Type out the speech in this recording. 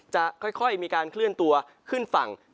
จะค่อยมีการเคลื่อนตัวขึ้นฝั่ง